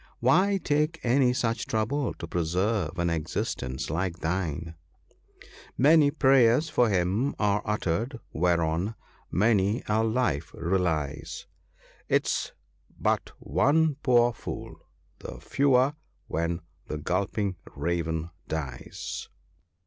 Why take any such trouble to preserve an existence like thine ?—" Many prayers for him are uttered whereon many a life relies ; 'Tis but one poor fool the fewer when the gulping Raven dies.